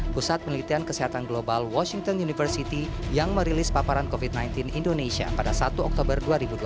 pusat penelitian kesehatan global washington university yang merilis paparan covid sembilan belas indonesia pada satu oktober dua ribu dua puluh